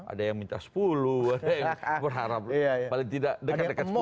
ada yang minta sepuluh ada yang berharap paling tidak dekat dekat sepuluh